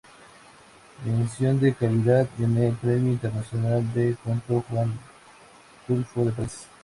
Mención de Calidad en el Premio Internacional de Cuento "Juan Rulfo" de París.